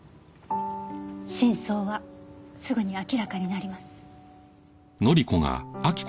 真相はすぐに明らかになります。